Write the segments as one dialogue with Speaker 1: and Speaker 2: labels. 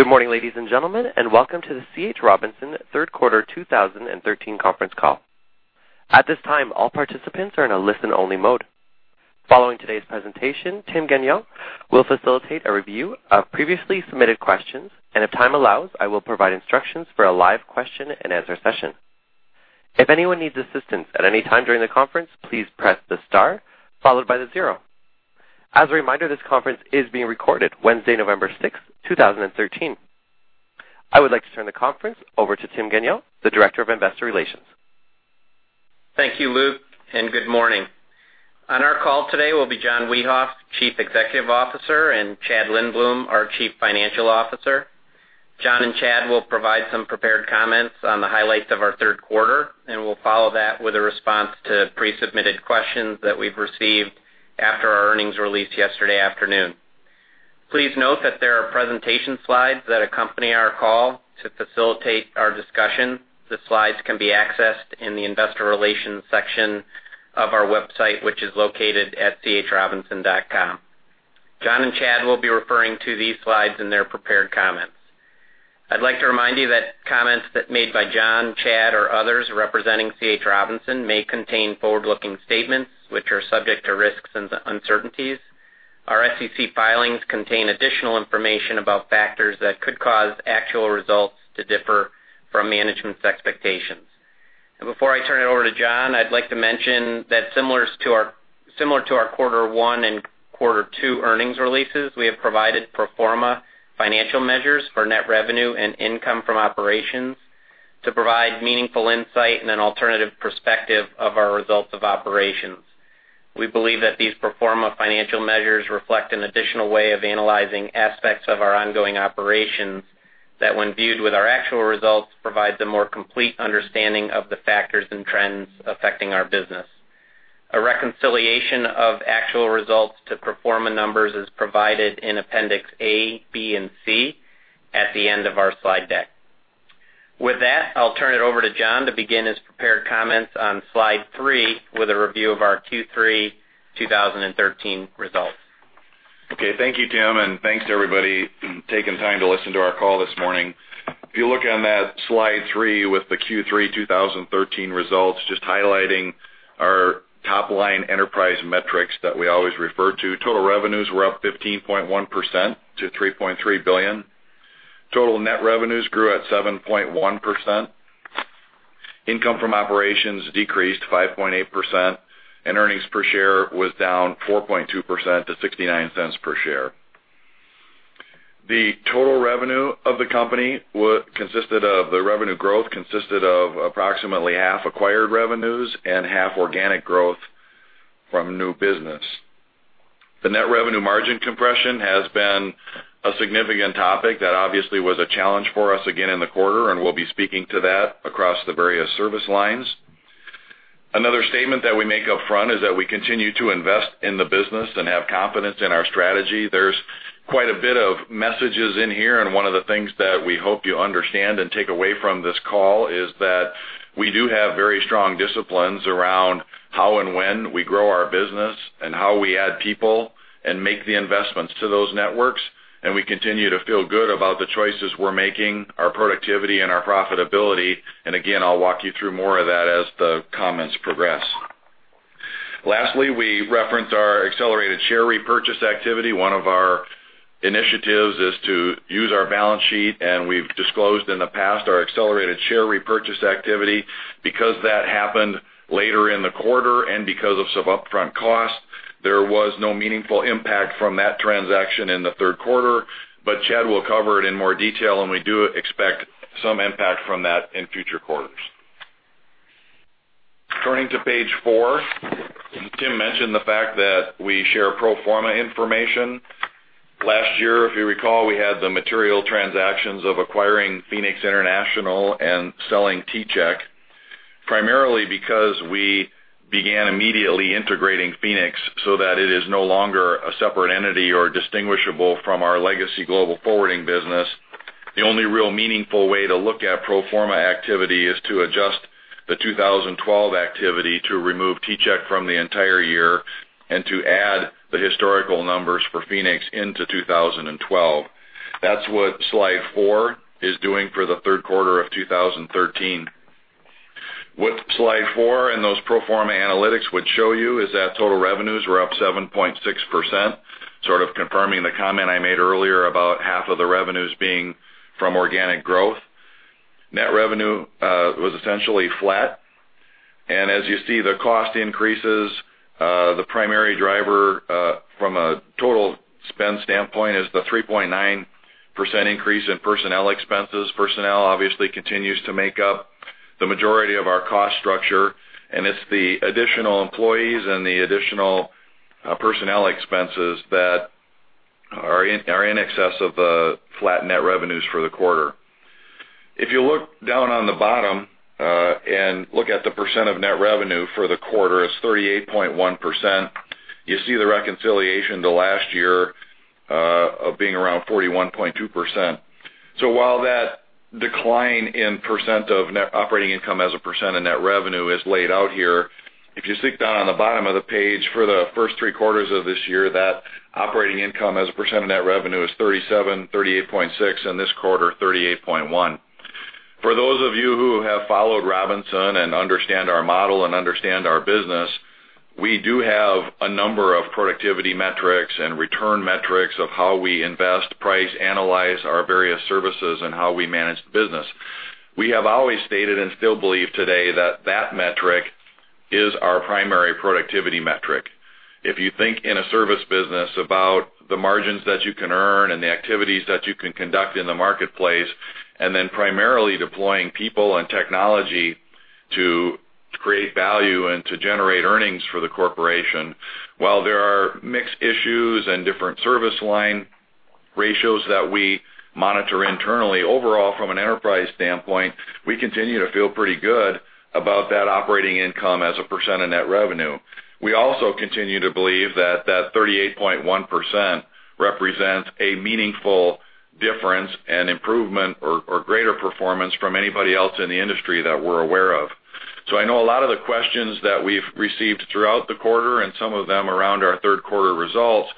Speaker 1: Good morning, ladies and gentlemen, and welcome to the C.H. Robinson third quarter 2013 conference call. At this time, all participants are in a listen-only mode. Following today's presentation, Tim Gagnon will facilitate a review of previously submitted questions, and if time allows, I will provide instructions for a live question and answer session. If anyone needs assistance at any time during the conference, please press the star followed by the zero. As a reminder, this conference is being recorded Wednesday, November 6, 2013. I would like to turn the conference over to Tim Gagnon, the Director of Investor Relations.
Speaker 2: Thank you, Luke, good morning. On our call today will be John Wiehoff, Chief Executive Officer, and Chad Lindbloom, our Chief Financial Officer. John and Chad will provide some prepared comments on the highlights of our third quarter, and we'll follow that with a response to pre-submitted questions that we've received after our earnings release yesterday afternoon. Please note that there are presentation slides that accompany our call to facilitate our discussion. The slides can be accessed in the investor relations section of our website, which is located at chrobinson.com. John and Chad will be referring to these slides in their prepared comments. I'd like to remind you that comments that made by John, Chad, or others representing C.H. Robinson may contain forward-looking statements which are subject to risks and uncertainties. Our SEC filings contain additional information about factors that could cause actual results to differ from management's expectations. Before I turn it over to John, I'd like to mention that similar to our quarter one and quarter two earnings releases, we have provided pro forma financial measures for net revenue and income from operations to provide meaningful insight and an alternative perspective of our results of operations. We believe that these pro forma financial measures reflect an additional way of analyzing aspects of our ongoing operations that, when viewed with our actual results, provides a more complete understanding of the factors and trends affecting our business. A reconciliation of actual results to pro forma numbers is provided in appendix A, B, and C at the end of our slide deck. With that, I'll turn it over to John to begin his prepared comments on slide three with a review of our Q3 2013 results.
Speaker 3: Okay. Thank you, Tim, thanks to everybody taking time to listen to our call this morning. If you look on that slide three with the Q3 2013 results, just highlighting our top-line enterprise metrics that we always refer to. Total revenues were up 15.1% to $3.3 billion. Total net revenues grew at 7.1%. Income from operations decreased 5.8%, and earnings per share was down 4.2% to $0.69 per share. The total revenue of the company consisted of the revenue growth consisted of approximately half acquired revenues and half organic growth from new business. The net revenue margin compression has been a significant topic that obviously was a challenge for us again in the quarter, and we'll be speaking to that across the various service lines. Another statement that we make upfront is that we continue to invest in the business and have confidence in our strategy. There's quite a bit of messages in here, one of the things that we hope you understand and take away from this call is that we do have very strong disciplines around how and when we grow our business and how we add people and make the investments to those networks, we continue to feel good about the choices we're making, our productivity, and our profitability. Again, I'll walk you through more of that as the comments progress. Lastly, we reference our accelerated share repurchase activity. One of our initiatives is to use our balance sheet, we've disclosed in the past our accelerated share repurchase activity. Because that happened later in the quarter and because of some upfront costs, there was no meaningful impact from that transaction in the third quarter. Chad will cover it in more detail, we do expect some impact from that in future quarters. Turning to page four, Tim mentioned the fact that we share pro forma information. Last year, if you recall, we had the material transactions of acquiring Phoenix International and selling T-Chek, primarily because we began immediately integrating Phoenix so that it is no longer a separate entity or distinguishable from our legacy global forwarding business. The only real meaningful way to look at pro forma activity is to adjust the 2012 activity to remove T-Chek from the entire year and to add the historical numbers for Phoenix into 2012. That's what slide four is doing for the third quarter of 2013. What slide four and those pro forma analytics would show you is that total revenues were up 7.6%, sort of confirming the comment I made earlier about half of the revenues being from organic growth. Net revenue was essentially flat. As you see, the cost increases, the primary driver, from a total spend standpoint, is the 3.9% increase in personnel expenses. Personnel obviously continues to make up the majority of our cost structure, it's the additional employees and the additional personnel expenses that are in excess of the flat net revenues for the quarter. If you look down on the bottom, and look at the percent of net revenue for the quarter, it's 38.1%. You see the reconciliation to last year, of being around 41.2%. While that decline in percent of net operating income as a percent of net revenue is laid out here If you sneak down on the bottom of the page for the first three quarters of this year, that operating income as a percent of net revenue is 37%, 38.6%, and this quarter, 38.1%. For those of you who have followed Robinson and understand our model and understand our business, we do have a number of productivity metrics and return metrics of how we invest, price, analyze our various services, and how we manage the business. We have always stated, still believe today, that that metric is our primary productivity metric. If you think in a service business about the margins that you can earn and the activities that you can conduct in the marketplace, primarily deploying people and technology to create value and to generate earnings for the corporation. While there are mixed issues and different service line ratios that we monitor internally, overall, from an enterprise standpoint, we continue to feel pretty good about that operating income as a % of net revenue. We also continue to believe that that 38.1% represents a meaningful difference and improvement or greater performance from anybody else in the industry that we're aware of. I know a lot of the questions that we've received throughout the quarter, and some of them around our third quarter results,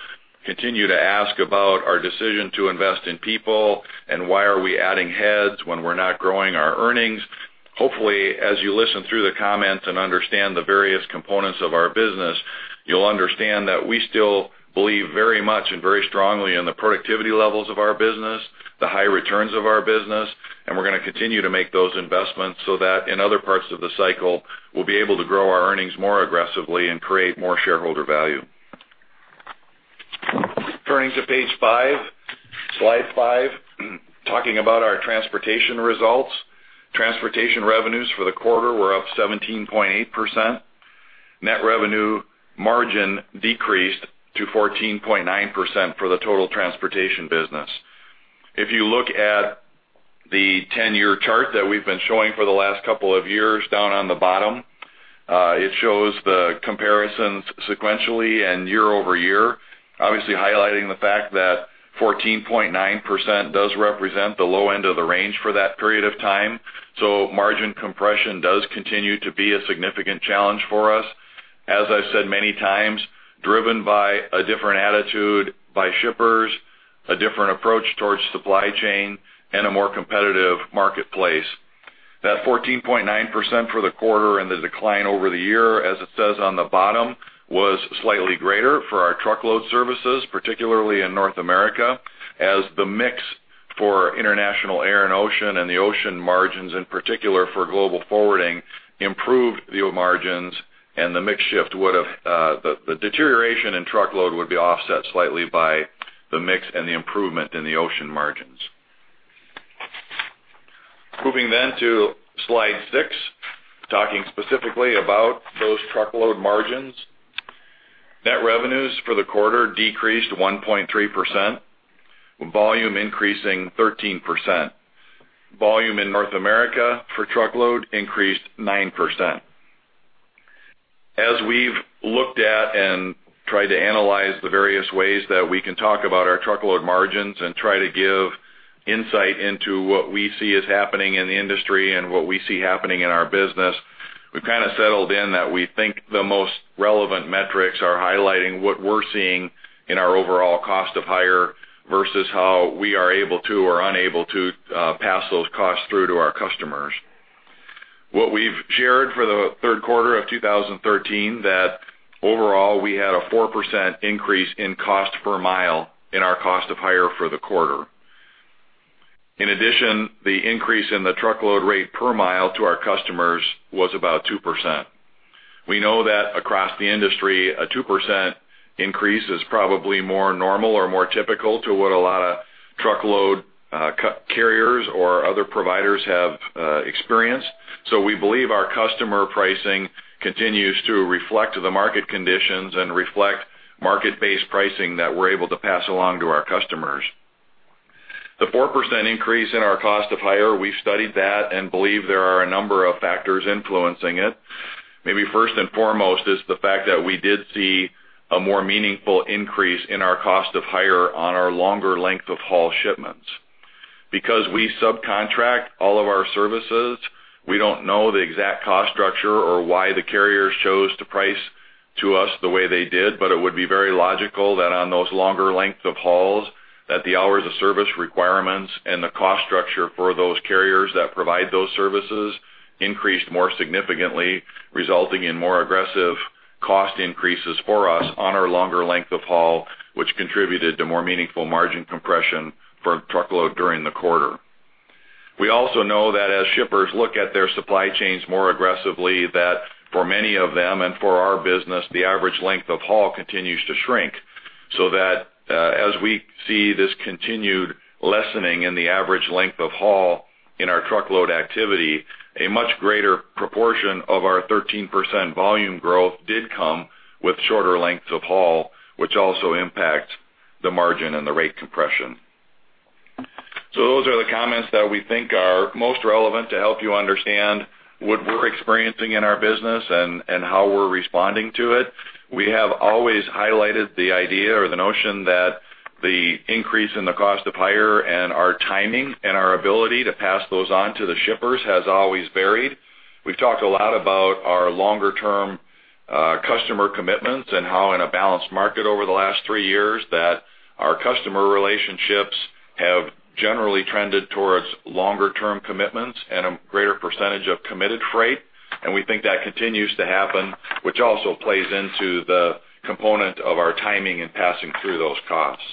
Speaker 3: continue to ask about our decision to invest in people and why are we adding heads when we're not growing our earnings. Hopefully, as you listen through the comments and understand the various components of our business, you'll understand that we still believe very much and very strongly in the productivity levels of our business, the high returns of our business, we're going to continue to make those investments so that in other parts of the cycle, we'll be able to grow our earnings more aggressively and create more shareholder value. Turning to page five, slide five, talking about our transportation results. Transportation revenues for the quarter were up 17.8%. Net revenue margin decreased to 14.9% for the total transportation business. If you look at the 10-year chart that we've been showing for the last couple of years, down on the bottom, it shows the comparisons sequentially and year-over-year, obviously highlighting the fact that 14.9% does represent the low end of the range for that period of time. Margin compression does continue to be a significant challenge for us. As I've said many times, driven by a different attitude by shippers, a different approach towards supply chain, and a more competitive marketplace. That 14.9% for the quarter and the decline over the year, as it says on the bottom, was slightly greater for our truckload services, particularly in North America, as the mix for international air and ocean and the ocean margins in particular for global forwarding improved the margins and the deterioration in truckload would be offset slightly by the mix and the improvement in the ocean margins. Moving to slide six, talking specifically about those truckload margins. Net revenues for the quarter decreased 1.3%, with volume increasing 13%. Volume in North America for truckload increased 9%. We've looked at and tried to analyze the various ways that we can talk about our truckload margins and try to give insight into what we see is happening in the industry and what we see happening in our business, we've kind of settled in that we think the most relevant metrics are highlighting what we're seeing in our overall cost of hire versus how we are able to or unable to pass those costs through to our customers. What we've shared for the third quarter of 2013, that overall, we had a 4% increase in cost per mile in our cost of hire for the quarter. In addition, the increase in the truckload rate per mile to our customers was about 2%. We know that across the industry, a 2% increase is probably more normal or more typical to what a lot of truckload carriers or other providers have experienced. We believe our customer pricing continues to reflect the market conditions and reflect market-based pricing that we're able to pass along to our customers. The 4% increase in our cost of hire, we've studied that and believe there are a number of factors influencing it. Maybe first and foremost is the fact that we did see a more meaningful increase in our cost of hire on our longer length-of-haul shipments. Because we subcontract all of our services, we don't know the exact cost structure or why the carriers chose to price to us the way they did, but it would be very logical that on those longer length of hauls, that the Hours of Service requirements and the cost structure for those carriers that provide those services increased more significantly, resulting in more aggressive cost increases for us on our longer length of haul, which contributed to more meaningful margin compression for truckload during the quarter. We also know that as shippers look at their supply chains more aggressively, that for many of them and for our business, the average length of haul continues to shrink, so that as we see this continued lessening in the average length of haul in our truckload activity, a much greater proportion of our 13% volume growth did come with shorter lengths of haul, which also impact the margin and the rate compression. Those are the comments that we think are most relevant to help you understand what we're experiencing in our business and how we're responding to it. We have always highlighted the idea or the notion that the increase in the cost of hire and our timing and our ability to pass those on to the shippers has always varied. We've talked a lot about our longer-term Customer commitments and how in a balanced market over the last three years, that our customer relationships have generally trended towards longer-term commitments and a greater percentage of committed freight. We think that continues to happen, which also plays into the component of our timing in passing through those costs.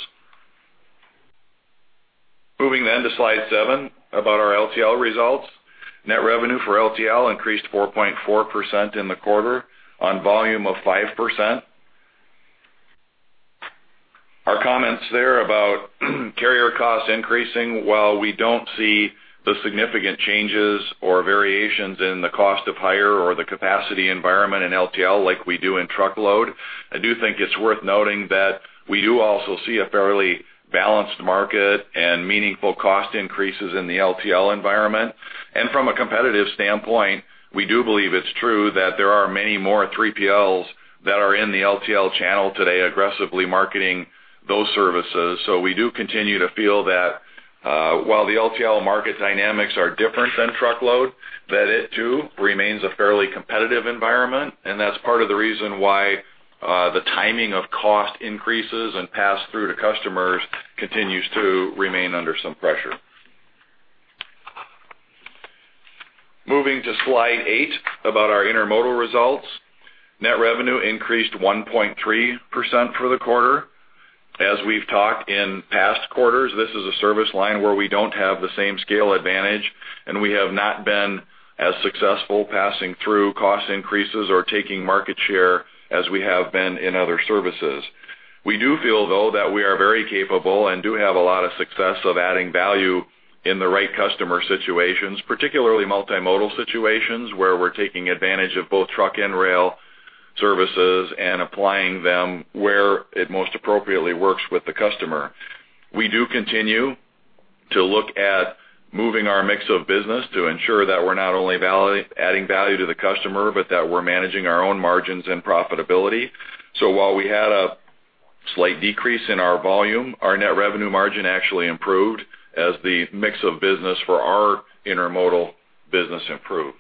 Speaker 3: Moving then to Slide seven about our LTL results. Net revenue for LTL increased 4.4% in the quarter on volume of 5%. Our comments there about carrier costs increasing, while we don't see the significant changes or variations in the cost of hire or the capacity environment in LTL like we do in truckload, I do think it's worth noting that we do also see a fairly balanced market and meaningful cost increases in the LTL environment. From a competitive standpoint, we do believe it's true that there are many more 3PLs that are in the LTL channel today aggressively marketing those services. We do continue to feel that while the LTL market dynamics are different than truckload, that it too remains a fairly competitive environment. That's part of the reason why the timing of cost increases and pass-through to customers continues to remain under some pressure. Moving to Slide 8 about our intermodal results. Net revenue increased 1.3% for the quarter. As we've talked in past quarters, this is a service line where we don't have the same scale advantage, and we have not been as successful passing through cost increases or taking market share as we have been in other services. We do feel, though, that we are very capable and do have a lot of success of adding value in the right customer situations, particularly multimodal situations where we're taking advantage of both truck and rail services and applying them where it most appropriately works with the customer. We do continue to look at moving our mix of business to ensure that we're not only adding value to the customer, but that we're managing our own margins and profitability. While we had a slight decrease in our volume, our net revenue margin actually improved as the mix of business for our intermodal business improved.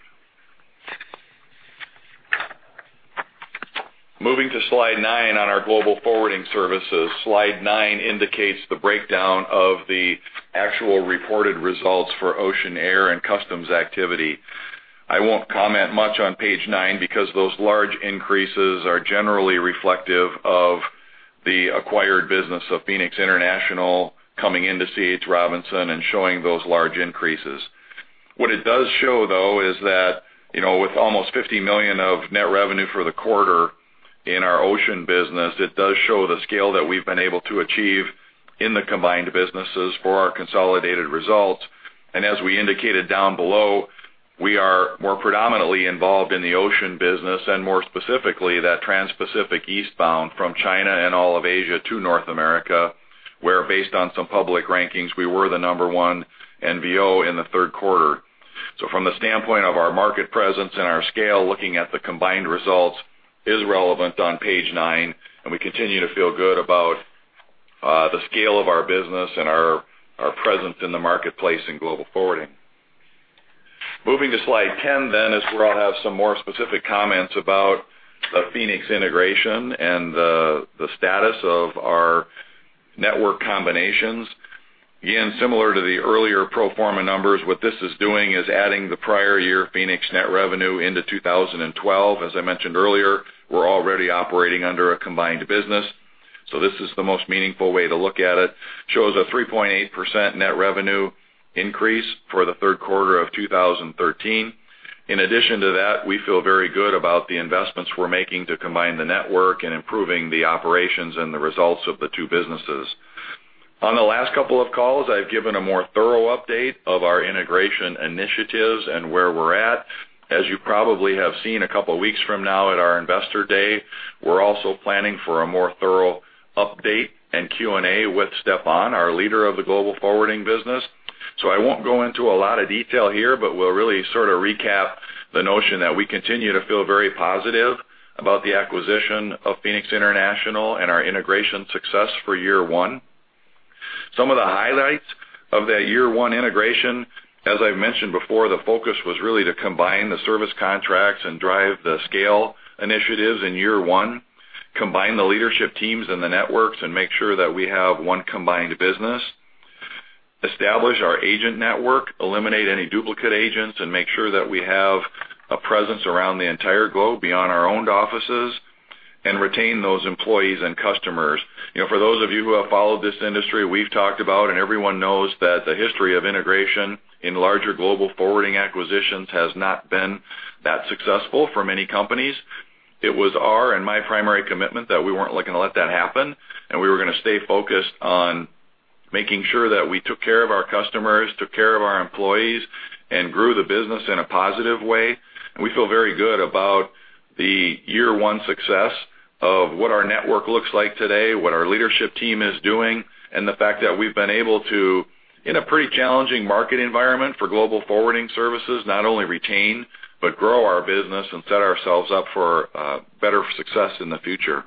Speaker 3: Moving to Slide 9 on our global forwarding services. Slide 9 indicates the breakdown of the actual reported results for ocean, air, and customs activity. I won't comment much on Page 9 because those large increases are generally reflective of the acquired business of Phoenix International coming into C. H. Robinson and showing those large increases. What it does show, though, is that with almost $50 million of net revenue for the quarter in our ocean business, it does show the scale that we've been able to achieve in the combined businesses for our consolidated results. As we indicated down below, we are more predominantly involved in the ocean business and, more specifically, that transpacific eastbound from China and all of Asia to North America, where, based on some public rankings, we were the number one NVO in the third quarter. From the standpoint of our market presence and our scale, looking at the combined results is relevant on Page 9. We continue to feel good about the scale of our business and our presence in the marketplace in global forwarding. Moving to Slide 10, is where I'll have some more specific comments about the Phoenix integration and the status of our network combinations. Again, similar to the earlier pro forma numbers, what this is doing is adding the prior year Phoenix net revenue into 2012. As I mentioned earlier, we're already operating under a combined business. This is the most meaningful way to look at it. Shows a 3.8% net revenue increase for the third quarter of 2013. In addition to that, we feel very good about the investments we're making to combine the network and improving the operations and the results of the two businesses. On the last couple of calls, I've given a more thorough update of our integration initiatives and where we're at. As you probably have seen a couple weeks from now at our Investor Day, we're also planning for a more thorough update and Q&A with Stéphane, our leader of the global forwarding business. I won't go into a lot of detail here, but we'll really sort of recap the notion that we continue to feel very positive about the acquisition of Phoenix International and our integration success for year one. Some of the highlights of that year one integration, as I've mentioned before, the focus was really to combine the service contracts and drive the scale initiatives in year one, combine the leadership teams and the networks, and make sure that we have one combined business, establish our agent network, eliminate any duplicate agents, and make sure that we have a presence around the entire globe beyond our owned offices and retain those employees and customers. For those of you who have followed this industry, we've talked about, and everyone knows that the history of integration in larger global forwarding acquisitions has not been that successful for many companies. It was our and my primary commitment that we weren't looking to let that happen, and we were going to stay focused on making sure that we took care of our customers, took care of our employees, and grew the business in a positive way. We feel very good about the year one success of what our network looks like today, what our leadership team is doing, and the fact that we've been able to, in a pretty challenging market environment for global forwarding services, not only retain but grow our business and set ourselves up for better success in the future.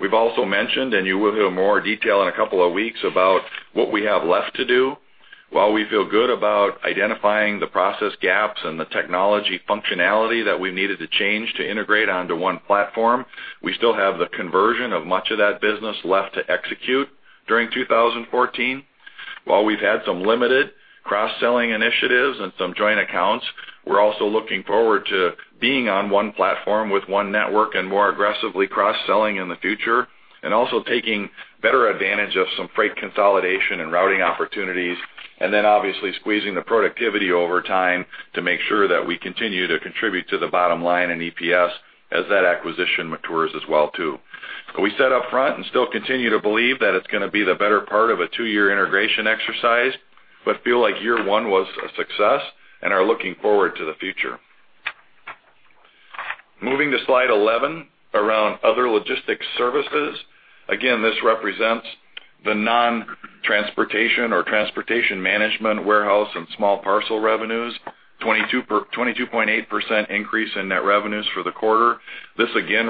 Speaker 3: We've also mentioned, and you will hear more detail in a couple of weeks about what we have left to do. While we feel good about identifying the process gaps and the technology functionality that we needed to change to integrate onto one platform, we still have the conversion of much of that business left to execute during 2014. While we've had some limited cross-selling initiatives and some joint accounts, we're also looking forward to being on one platform with one network and more aggressively cross-selling in the future, and also taking better advantage of some freight consolidation and routing opportunities. Then obviously squeezing the productivity over time to make sure that we continue to contribute to the bottom line in EPS as that acquisition matures as well too. We said up front and still continue to believe that it's going to be the better part of a two-year integration exercise, but feel like year one was a success, and are looking forward to the future. Moving to slide 11, around other logistics services. Again, this represents the non-transportation or transportation management warehouse and small parcel revenues, 22.8% increase in net revenues for the quarter. This again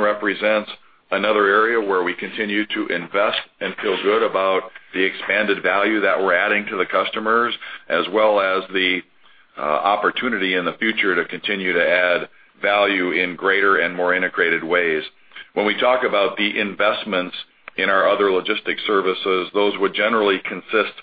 Speaker 3: represents another area where we continue to invest and feel good about the expanded value that we're adding to the customers, as well as the opportunity in the future to continue to add value in greater and more integrated ways. When we talk about the investments in our other logistics services, those would generally consist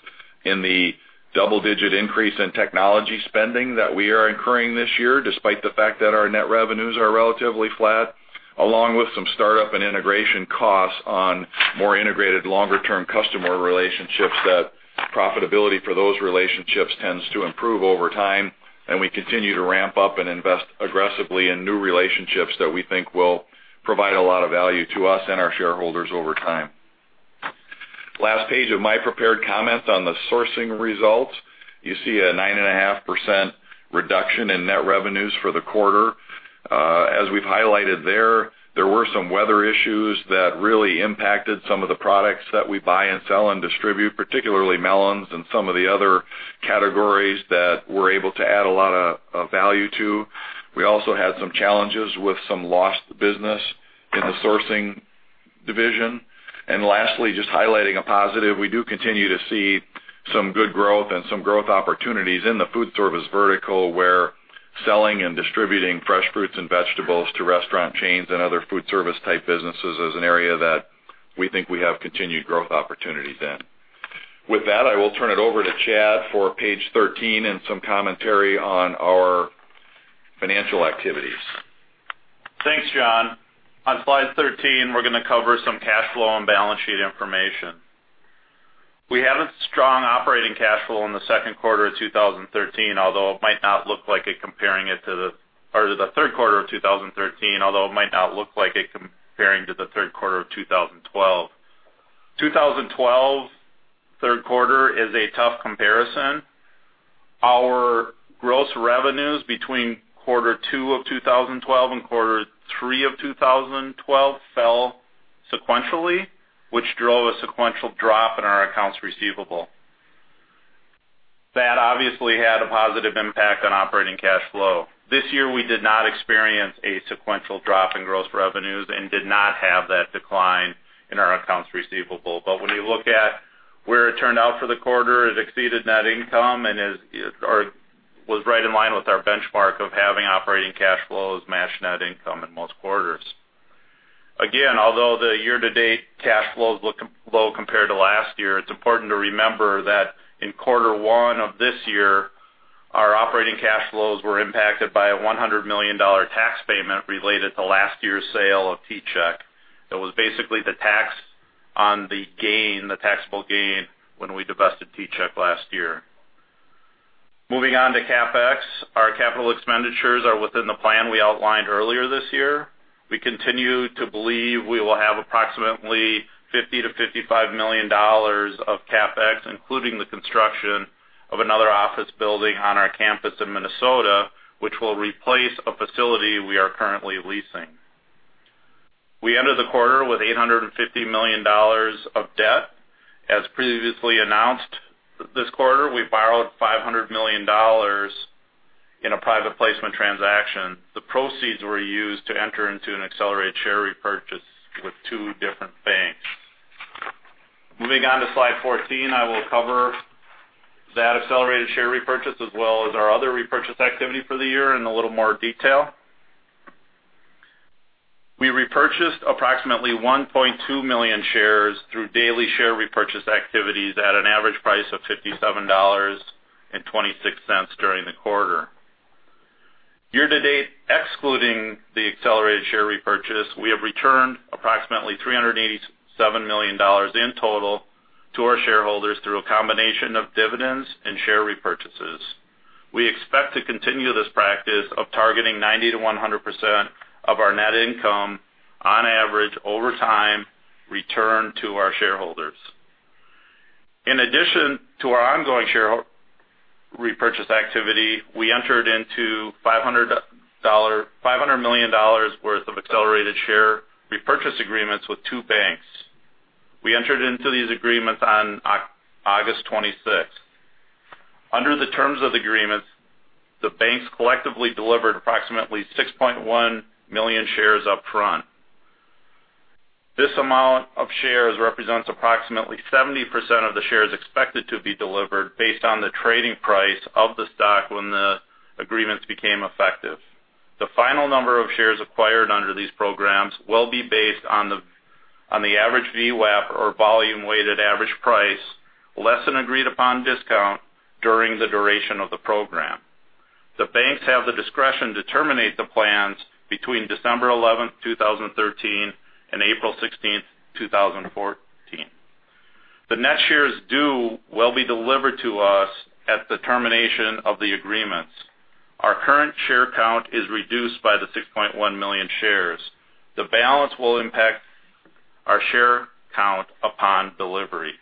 Speaker 3: in the double-digit increase in technology spending that we are incurring this year, despite the fact that our net revenues are relatively flat, along with some startup and integration costs on more integrated longer-term customer relationships, that profitability for those relationships tends to improve over time. We continue to ramp up and invest aggressively in new relationships that we think will provide a lot of value to us and our shareholders over time. Last page of my prepared comments on the sourcing results. You see a 9.5% reduction in net revenues for the quarter. As we've highlighted there were some weather issues that really impacted some of the products that we buy and sell and distribute, particularly melons and some of the other categories that we're able to add a lot of value to. We also had some challenges with some lost business in the sourcing division. Lastly, just highlighting a positive, we do continue to see some good growth and some growth opportunities in the food service vertical, where selling and distributing fresh fruits and vegetables to restaurant chains and other food service type businesses is an area that we think we have continued growth opportunities in. With that, I will turn it over to Chad for page 13 and some commentary on our financial activities.
Speaker 4: Thanks, John. On slide 13, we're going to cover some cash flow and balance sheet information. We have a strong operating cash flow in the second quarter of 2013, although it might not look like it comparing it to the third quarter of 2013, although it might not look like it comparing to the third quarter of 2012. 2012 third quarter is a tough comparison. Our gross revenues between quarter two of 2012 and quarter three of 2012 fell sequentially, which drove a sequential drop in our accounts receivable. That obviously had a positive impact on operating cash flow. This year, we did not experience a sequential drop in gross revenues and did not have that decline in our accounts receivable. When you look at where it turned out for the quarter, it exceeded net income and was right in line with our benchmark of having operating cash flows match net income in most quarters. Again, although the year-to-date cash flows look low compared to last year, it is important to remember that in quarter one of this year, our operating cash flows were impacted by a $100 million tax payment related to last year's sale of T-Chek. That was basically the tax on the gain, the taxable gain, when we divested T-Chek last year. Moving on to CapEx. Our capital expenditures are within the plan we outlined earlier this year. We continue to believe we will have approximately $50 million-$55 million of CapEx, including the construction of another office building on our campus in Minnesota, which will replace a facility we are currently leasing. We ended the quarter with $850 million of debt. As previously announced this quarter, we borrowed $500 million in a private placement transaction. The proceeds were used to enter into an accelerated share repurchase with two different banks. Moving on to slide 14, I will cover that accelerated share repurchase, as well as our other repurchase activity for the year in a little more detail. We repurchased approximately 1.2 million shares through daily share repurchase activities at an average price of $57.26 during the quarter. Year to date, excluding the accelerated share repurchase, we have returned approximately $387 million in total to our shareholders through a combination of dividends and share repurchases. We expect to continue this practice of targeting 90%-100% of our net income on average over time, return to our shareholders. In addition to our ongoing share repurchase activity, we entered into $500 million worth of accelerated share repurchase agreements with two banks. We entered into these agreements on August 26th. Under the terms of the agreements, the banks collectively delivered approximately 6.1 million shares up front. This amount of shares represents approximately 70% of the shares expected to be delivered based on the trading price of the stock when the agreements became effective. The final number of shares acquired under these programs will be based on the average VWAP, or volume-weighted average price, less an agreed-upon discount during the duration of the program. The banks have the discretion to terminate the plans between December 11, 2013, and April 16, 2014. The net shares due will be delivered to us at the termination of the agreements. Our current share count is reduced by the 6.1 million shares. The balance will impact our share count upon delivery.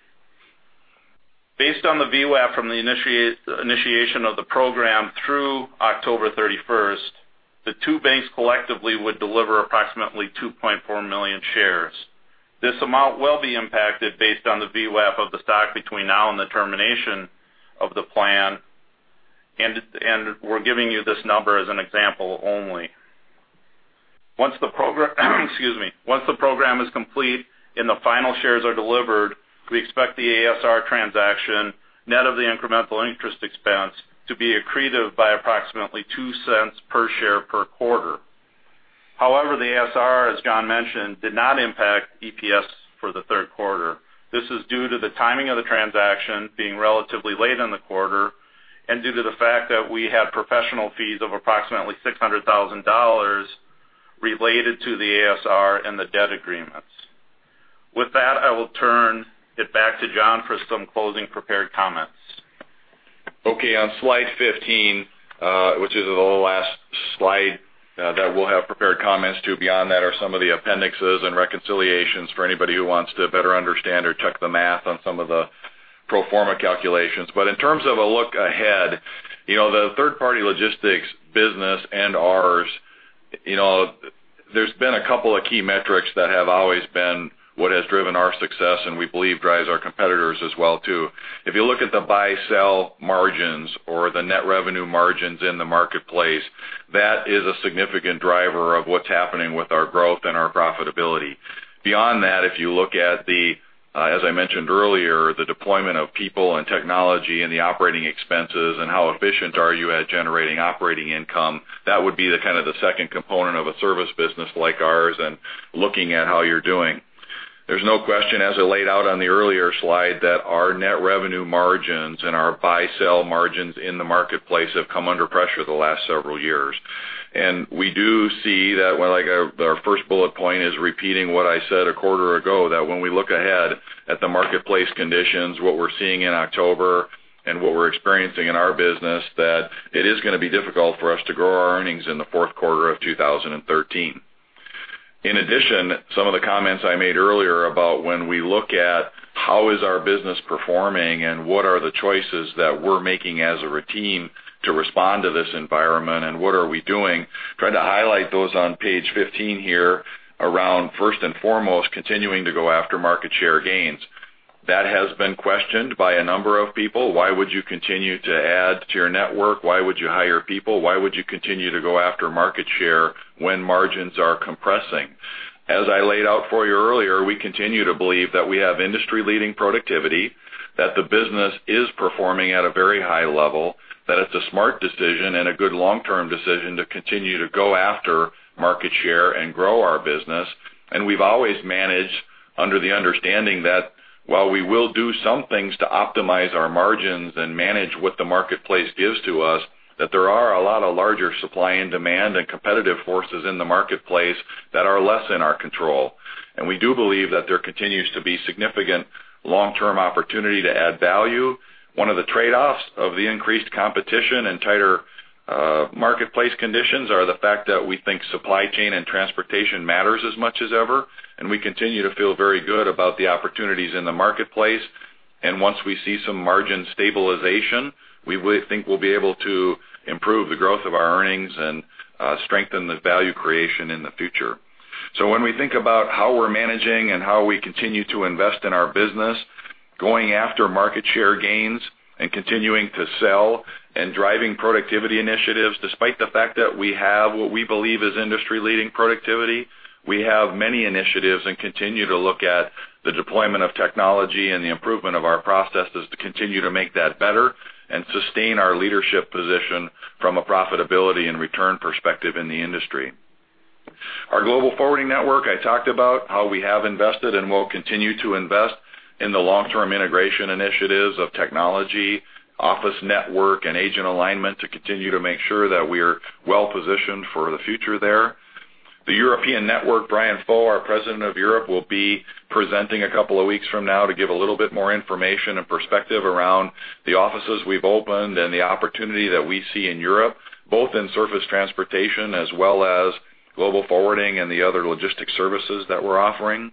Speaker 4: Based on the VWAP from the initiation of the program through October 31st, the two banks collectively would deliver approximately 2.4 million shares. This amount will be impacted based on the VWAP of the stock between now and the termination of the plan. We are giving you this number as an example only. Once the program is complete and the final shares are delivered, we expect the ASR transaction, net of the incremental interest expense, to be accretive by approximately $0.02 per share per quarter. However, the ASR, as John mentioned, did not impact EPS for the third quarter. This is due to the timing of the transaction being relatively late in the quarter and due to the fact that we had professional fees of approximately $600,000 related to the ASR and the debt agreements. With that, I will turn it back to John for some closing prepared comments.
Speaker 3: Okay. On slide 15, which is the last slide that we'll have prepared comments to, beyond that are some of the appendixes and reconciliations for anybody who wants to better understand or check the math on some of the pro forma calculations. In terms of a look ahead, the third-party logistics business and ours, there's been a couple of key metrics that have always been what has driven our success and we believe drives our competitors as well, too. If you look at the buy-sell margins or the net revenue margins in the marketplace, that is a significant driver of what's happening with our growth and our profitability. Beyond that, if you look at the, as I mentioned earlier, the deployment of people and technology and the operating expenses and how efficient are you at generating operating income, that would be the second component of a service business like ours and looking at how you're doing. There's no question, as I laid out on the earlier slide, that our net revenue margins and our buy-sell margins in the marketplace have come under pressure the last several years. We do see that, our first bullet point is repeating what I said a quarter ago, that when we look ahead at the marketplace conditions, what we're seeing in October and what we're experiencing in our business, that it is going to be difficult for us to grow our earnings in the fourth quarter of 2013. In addition, some of the comments I made earlier about when we look at how is our business performing and what are the choices that we're making as a routine to respond to this environment and what are we doing, trying to highlight those on page 15 here around first and foremost, continuing to go after market share gains. That has been questioned by a number of people. Why would you continue to add to your network? Why would you hire people? Why would you continue to go after market share when margins are compressing? As I laid out for you earlier, we continue to believe that we have industry-leading productivity, that the business is performing at a very high level, that it's a smart decision and a good long-term decision to continue to go after market share and grow our business. We've always managed under the understanding that while we will do some things to optimize our margins and manage what the marketplace gives to us, there are a lot of larger supply and demand and competitive forces in the marketplace that are less in our control. We do believe that there continues to be significant long-term opportunity to add value. One of the trade-offs of the increased competition and tighter marketplace conditions are the fact that we think supply chain and transportation matters as much as ever, we continue to feel very good about the opportunities in the marketplace. Once we see some margin stabilization, we think we'll be able to improve the growth of our earnings and strengthen the value creation in the future. When we think about how we're managing and how we continue to invest in our business, going after market share gains and continuing to sell and driving productivity initiatives, despite the fact that we have what we believe is industry-leading productivity, we have many initiatives and continue to look at the deployment of technology and the improvement of our processes to continue to make that better and sustain our leadership position from a profitability and return perspective in the industry. Our global forwarding network, I talked about how we have invested and will continue to invest in the long-term integration initiatives of technology, office network, and agent alignment to continue to make sure that we're well-positioned for the future there. The European network, Bryan Foe, our President of Europe, will be presenting a couple of weeks from now to give a little bit more information and perspective around the offices we've opened and the opportunity that we see in Europe, both in surface transportation as well as global forwarding and the other logistics services that we're offering.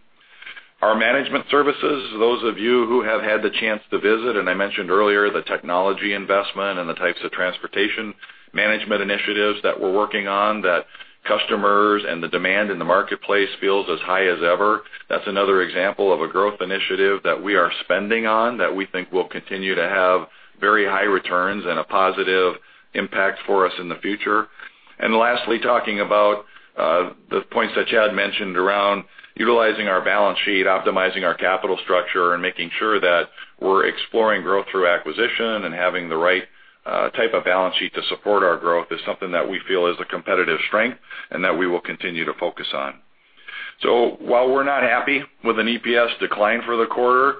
Speaker 3: Our management services, those of you who have had the chance to visit, and I mentioned earlier, the technology investment and the types of transportation management initiatives that we're working on that customers and the demand in the marketplace feels as high as ever. That's another example of a growth initiative that we are spending on that we think will continue to have very high returns and a positive impact for us in the future. Lastly, talking about the points that Chad mentioned around utilizing our balance sheet, optimizing our capital structure, and making sure that we're exploring growth through acquisition and having the right type of balance sheet to support our growth is something that we feel is a competitive strength and that we will continue to focus on. While we're not happy with an EPS decline for the quarter,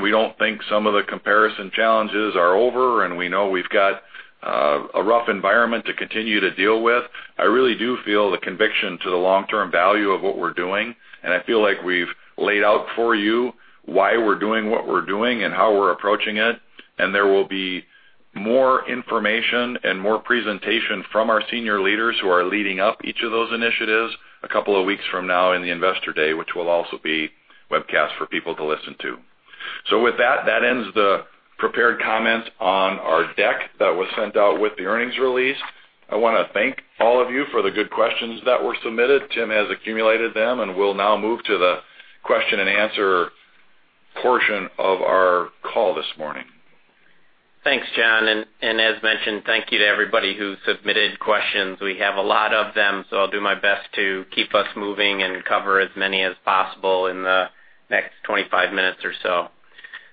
Speaker 3: we don't think some of the comparison challenges are over, we know we've got a rough environment to continue to deal with, I really do feel the conviction to the long-term value of what we're doing. I feel like we've laid out for you why we're doing what we're doing and how we're approaching it. There will be more information and more presentation from our senior leaders who are leading up each of those initiatives a couple of weeks from now in the Investor Day, which will also be webcast for people to listen to. With that ends the prepared comments on our deck that was sent out with the earnings release. I want to thank all of you for the good questions that were submitted. Tim has accumulated them, and we'll now move to the question and answer portion of our call this morning.
Speaker 2: Thanks, John. As mentioned, thank you to everybody who submitted questions. We have a lot of them, so I'll do my best to keep us moving and cover as many as possible in the next 25 minutes or so.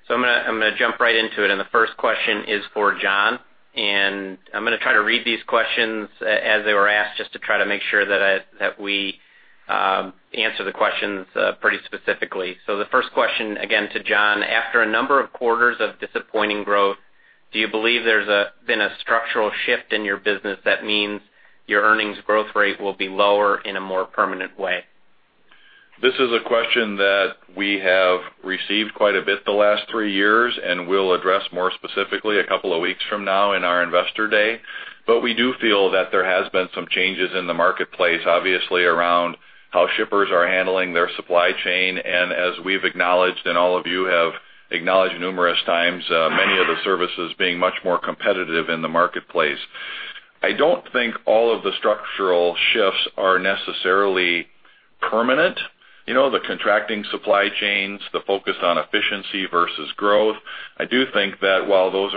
Speaker 2: I'm going to jump right into it. The first question is for John. I'm going to try to read these questions as they were asked, just to try to make sure that we answer the questions pretty specifically. The first question, again to John, after a number of quarters of disappointing growth, do you believe there's been a structural shift in your business that means your earnings growth rate will be lower in a more permanent way?
Speaker 3: This is a question that we have received quite a bit the last three years and will address more specifically a couple of weeks from now in our Investor Day. We do feel that there has been some changes in the marketplace, obviously, around how shippers are handling their supply chain. As we've acknowledged, and all of you have acknowledged numerous times, many of the services being much more competitive in the marketplace. I don't think all of the structural shifts are necessarily permanent. The contracting supply chains, the focus on efficiency versus growth. I do think that while those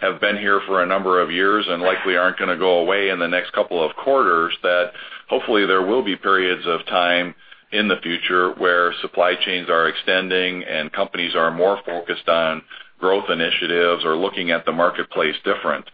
Speaker 3: have been here for a number of years and likely aren't going to go away in the next couple of quarters, that hopefully there will be periods of time in the future where supply chains are extending and companies are more focused on growth initiatives or looking at the marketplace different.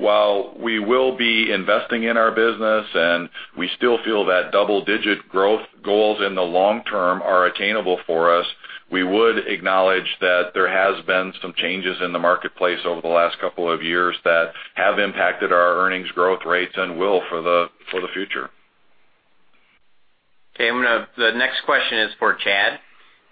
Speaker 3: While we will be investing in our business and we still feel that double-digit growth goals in the long term are attainable for us, we would acknowledge that there has been some changes in the marketplace over the last couple of years that have impacted our earnings growth rates and will for the future.
Speaker 2: Okay. The next question is for Chad,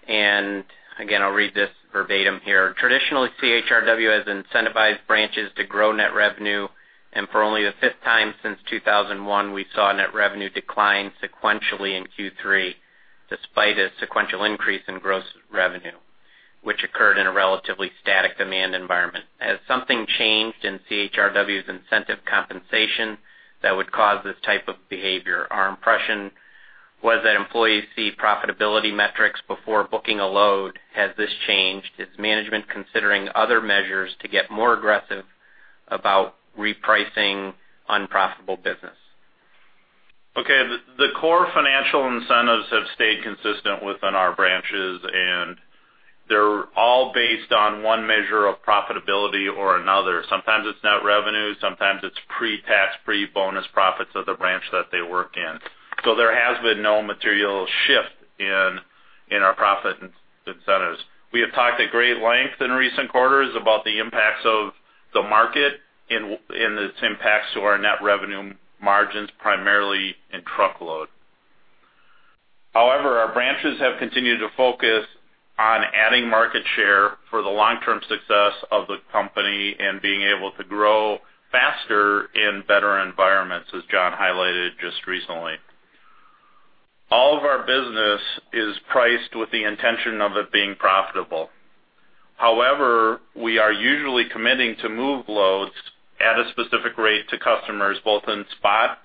Speaker 2: and again, I'll read this verbatim here. Traditionally, CHRW has incentivized branches to grow net revenue, and for only the fifth time since 2001, we saw net revenue decline sequentially in Q3, despite a sequential increase in gross revenue, which occurred in a relatively static demand environment. Has something changed in CHRW's incentive compensation that would cause this type of behavior? Our impression was that employees see profitability metrics before booking a load. Has this changed? Is management considering other measures to get more aggressive about repricing unprofitable business?
Speaker 4: Okay. The core financial incentives have stayed consistent within our branches, and they're all based on one measure of profitability or another. Sometimes it's net revenue, sometimes it's pre-tax, pre-bonus profits of the branch that they work in. There has been no material shift in our profit incentives. We have talked at great length in recent quarters about the impacts of the market and its impacts to our net revenue margins, primarily in truckload. However, our branches have continued to focus on adding market share for the long-term success of the company and being able to grow faster in better environments, as John highlighted just recently. All of our business is priced with the intention of it being profitable. However, we are usually committing to move loads at a specific rate to customers, both in spot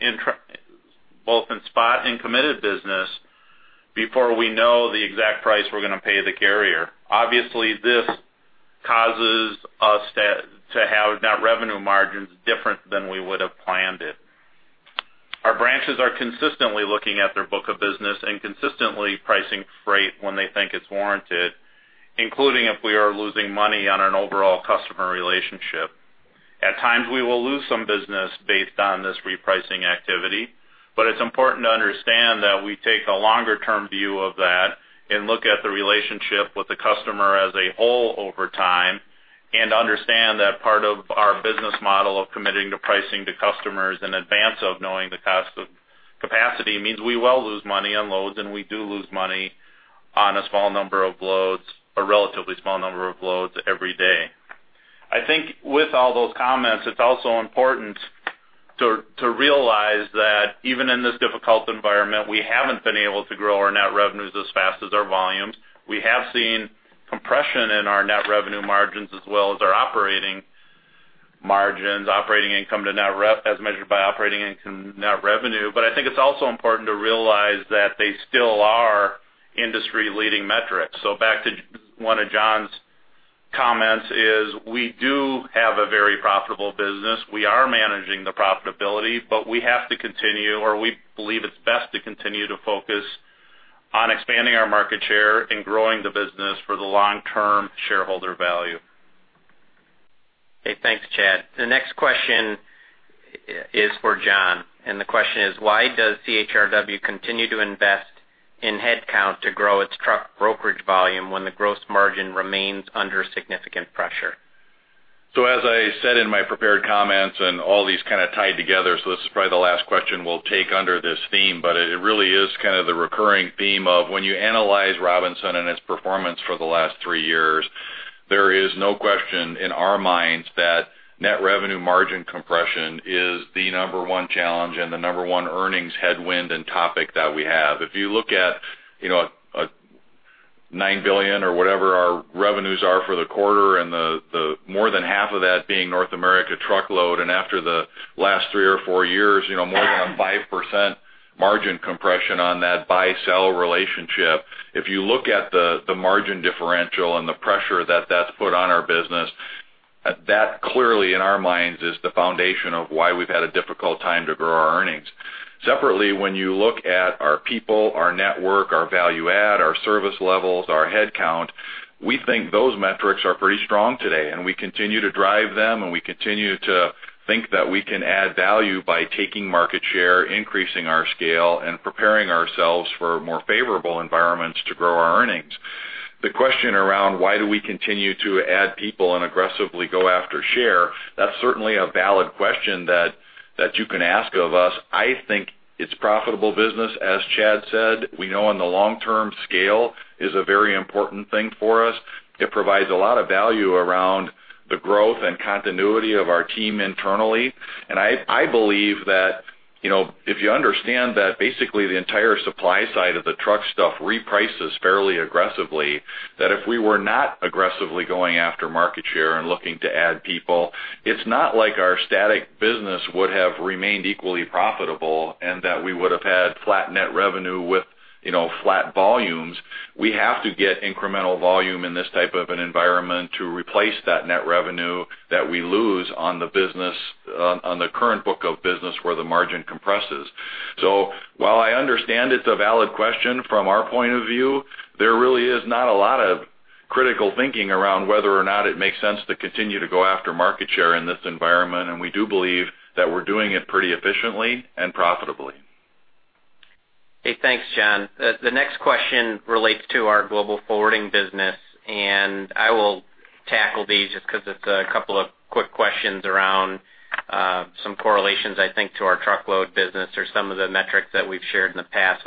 Speaker 4: and committed business before we know the exact price we're going to pay the carrier. Obviously, this causes us to have net revenue margins different than we would have planned it. Our branches are consistently looking at their book of business and consistently pricing freight when they think it's warranted, including if we are losing money on an overall customer relationship. At times, we will lose some business based on this repricing activity. It's important to understand that we take a longer-term view of that and look at the relationship with the customer as a whole over time and understand that part of our business model of committing to pricing to customers in advance of knowing the cost of capacity means we will lose money on loads, and we do lose money on a relatively small number of loads every day. I think with all those comments, it's also important to realize that even in this difficult environment, we haven't been able to grow our net revenues as fast as our volumes. We have seen compression in our net revenue margins as well as our operating margins, operating income as measured by operating income net revenue. I think it's also important to realize that they still are industry-leading metrics. back to one of John's comments is we do have a very profitable business. We are managing the profitability, but we have to continue, or we believe it's best to continue to focus on expanding our market share and growing the business for the long-term shareholder value.
Speaker 2: Okay, thanks, Chad. The next question is for John, the question is why does CHRW continue to invest in headcount to grow its truck brokerage volume when the gross margin remains under significant pressure?
Speaker 3: As I said in my prepared comments, and all these kind of tied together, this is probably the last question we'll take under this theme, but it really is kind of the recurring theme of when you analyze C.H. Robinson and its performance for the last three years, there is no question in our minds that net revenue margin compression is the number one challenge and the number one earnings headwind and topic that we have. If you look at $9 billion or whatever our revenues are for the quarter, and more than half of that being North America truckload, and after the last three or four years, more than a 5% margin compression on that buy-sell relationship. If you look at the margin differential and the pressure that's put on our business, that clearly, in our minds, is the foundation of why we've had a difficult time to grow our earnings. Separately, when you look at our people, our network, our value add, our service levels, our headcount, we think those metrics are pretty strong today, and we continue to drive them, and we continue to think that we can add value by taking market share, increasing our scale, and preparing ourselves for more favorable environments to grow our earnings. The question around why do we continue to add people and aggressively go after share, that's certainly a valid question that you can ask of us. I think it's profitable business. As Chad said, we know on the long term, scale is a very important thing for us. It provides a lot of value around the growth and continuity of our team internally. I believe that if you understand that basically the entire supply side of the truck stuff reprices fairly aggressively, that if we were not aggressively going after market share and looking to add people, it's not like our static business would have remained equally profitable and that we would have had flat net revenue with flat volumes. We have to get incremental volume in this type of an environment to replace that net revenue that we lose on the current book of business where the margin compresses. While I understand it's a valid question, from our point of view, there really is not a lot of critical thinking around whether or not it makes sense to continue to go after market share in this environment. We do believe that we're doing it pretty efficiently and profitably.
Speaker 2: Hey, thanks, John. The next question relates to our global forwarding business. I will tackle these just because it's a couple of quick questions around some correlations, I think, to our truckload business or some of the metrics that we've shared in the past.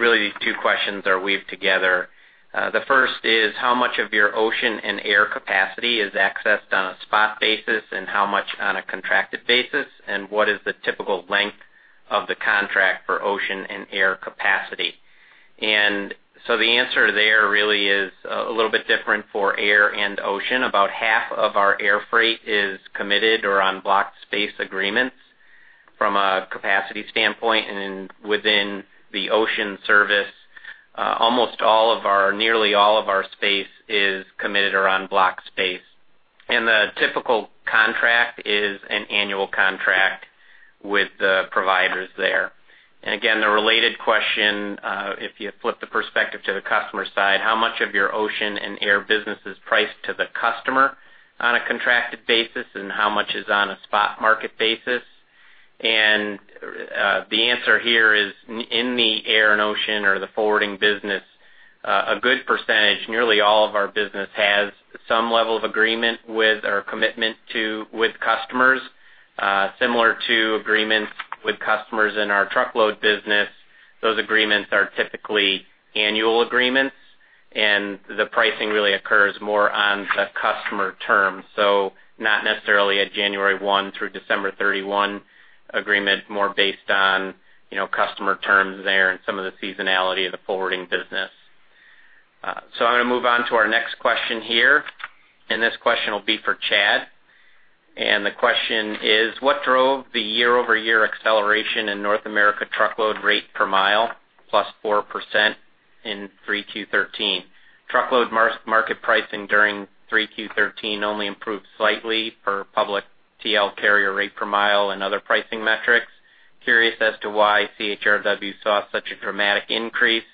Speaker 2: Really, these two questions are weaved together. The first is, how much of your ocean and air capacity is accessed on a spot basis and how much on a contracted basis, and what is the typical length of the contract for ocean and air capacity? The answer there really is a little bit different for air and ocean. About half of our air freight is committed or on Blocked Space Agreements from a capacity standpoint. Within the ocean service, nearly all of our space is committed or on blocked space. The typical contract is an annual contract with the providers there. Again, the related question, if you flip the perspective to the customer side, how much of your ocean and air business is priced to the customer on a contracted basis, and how much is on a spot market basis? The answer here is, in the air and ocean or the forwarding business, a good percentage, nearly all of our business has some level of agreement with our commitment with customers. Similar to agreements with customers in our truckload business, those agreements are typically annual agreements, and the pricing really occurs more on the customer terms. Not necessarily a January 1 through December 31 agreement, more based on customer terms there and some of the seasonality of the forwarding business. I'm going to move on to our next question here. This question will be for Chad. The question is what drove the year-over-year acceleration in North America truckload rate per mile plus 4% in 3Q13? Truckload market pricing during 3Q13 only improved slightly for public TL carrier rate per mile and other pricing metrics. Curious as to why CHRW saw such a dramatic increase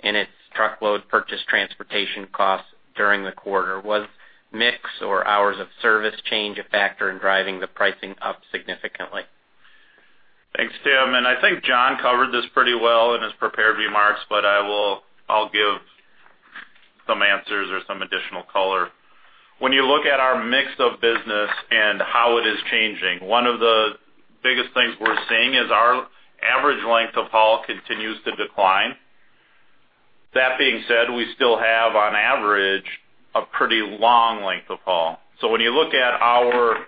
Speaker 2: in its truckload purchase transportation costs during the quarter. Was mix or Hours of Service change a factor in driving the pricing up significantly?
Speaker 4: Thanks, Tim. I think John covered this pretty well in his prepared remarks, but I'll give some answers or some additional color. When you look at our mix of business and how it is changing, one of the biggest things we're seeing is our average length of haul continues to decline. That being said, we still have, on average, a pretty long length of haul. When you look at our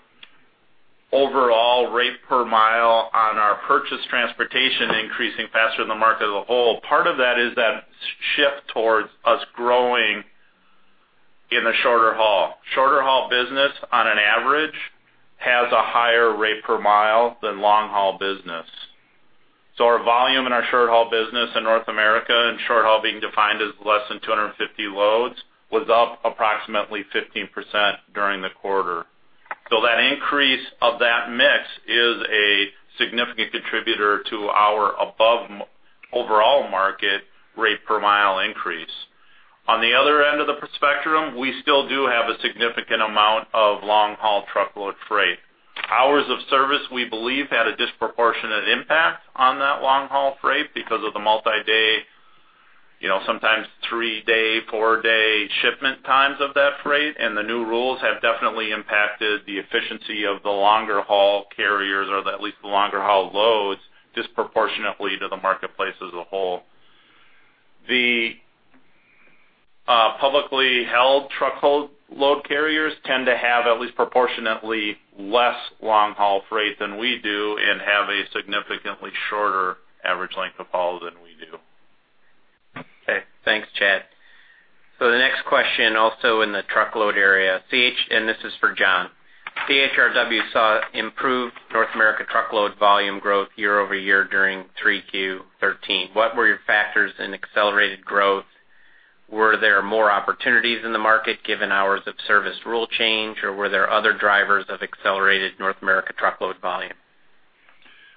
Speaker 4: overall rate per mile on our purchase transportation increasing faster than the market as a whole, part of that is that shift towards us growing in the shorter haul. Shorter haul business, on an average, has a higher rate per mile than long haul business. Our volume in our short haul business in North America, and short haul being defined as less than 250 loads, was up approximately 15% during the quarter. That increase of that mix is a significant contributor to our above overall market rate per mile increase. On the other end of the spectrum, we still do have a significant amount of long-haul truckload freight. Hours of Service, we believe, had a disproportionate impact on that long-haul freight because of the multi-day, sometimes three-day, four-day shipment times of that freight, and the new rules have definitely impacted the efficiency of the longer-haul carriers, or at least the longer-haul loads, disproportionately to the marketplace as a whole. The publicly held truckload carriers tend to have at least proportionately less long-haul freight than we do and have a significantly shorter average length of haul than we do.
Speaker 2: Okay. Thanks, Chad. The next question, also in the truckload area. This is for John. CHRW saw improved North America truckload volume growth year-over-year during Q3 2013. What were your factors in accelerated growth? Were there more opportunities in the market given Hours of Service rule change, or were there other drivers of accelerated North America truckload volume?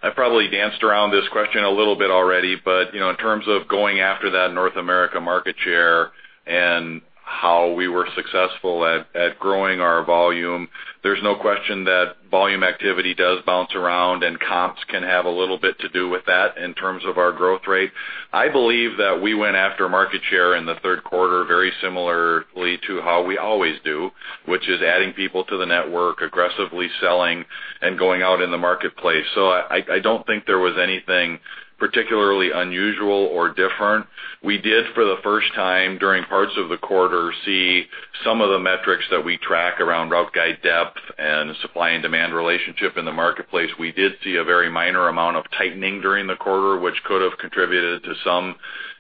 Speaker 3: I probably danced around this question a little bit already, but in terms of going after that North America market share and how we were successful at growing our volume, there's no question that volume activity does bounce around, and comps can have a little bit to do with that in terms of our growth rate. I believe that we went after market share in the third quarter very similarly to how we always do, which is adding people to the network, aggressively selling, and going out in the marketplace. I don't think there was anything particularly unusual or different. We did, for the first time, during parts of the quarter, see some of the metrics that we track around route guide depth and supply and demand relationship in the marketplace. We did see a very minor amount of tightening during the quarter, which could have contributed to some